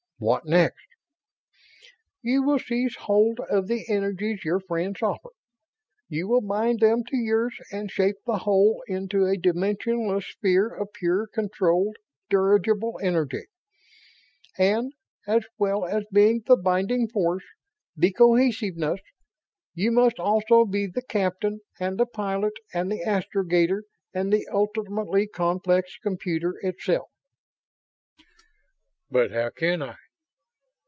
"What next?" "You will seize hold of the energies your friends offer. You will bind them to yours and shape the whole into a dimensionless sphere of pure controlled, dirigible energy. And, as well as being the binding force, the cohesiveness, you must also be the captain and the pilot and the astrogator and the ultimately complex computer itself." "But how can I....